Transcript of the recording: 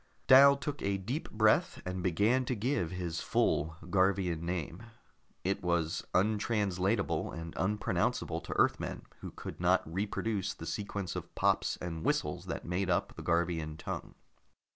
Dal took a deep breath and began to give his full Garvian name. It was untranslatable and unpronounceable to Earthmen, who could not reproduce the sequence of pops and whistles that made up the Garvian tongue.